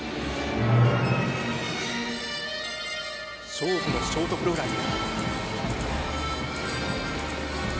勝負のショートプログラム。